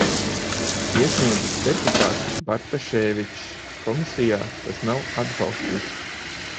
Iesniedzis deputāts Bartaševičs, komisijā tas nav atbalstīts.